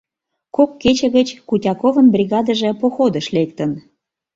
Кок кече гыч Кутяковын бригадыже походыш лектын.